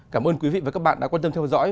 cảm ơn quý vị và các bạn đã quan tâm theo dõi